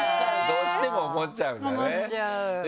どうしても思っちゃうんだね。